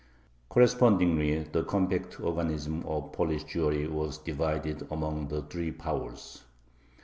Correspondingly the compact organism of Polish Jewry was divided among the three Powers.